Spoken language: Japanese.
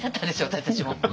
私たちも。